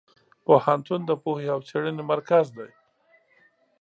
پوهنتون د پوهې او څېړنې مرکز دی.